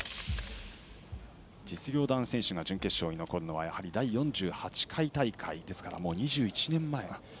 実業団選手が準決勝に残るのは第４８回大会ですから２１年前。